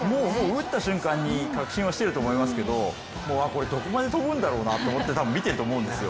打った瞬間に確信してると思うんですけどこれどこまで飛ぶんだろうなって多分、見てると思うんですよ。